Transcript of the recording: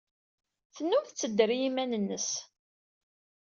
Tennum tettedder i yiman-nnes.